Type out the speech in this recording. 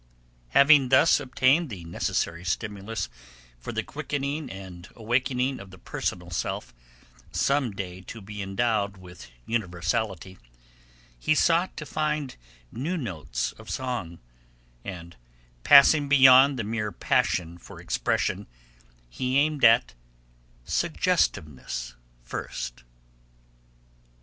Having thus obtained the necessary stimulus for the quickening and awakening of the personal self, some day to be endowed with universality, he sought to find new notes of song, and, passing beyond the mere passion for expression, he aimed at 'Suggestiveness' first.